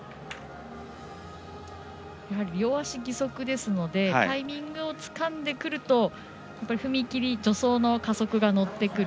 やはり両足義足ですのでタイミングをつかんでくると踏み切り助走の加速が乗ってくる。